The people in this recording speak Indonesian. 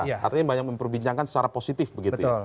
artinya banyak memperbincangkan secara positif begitu ya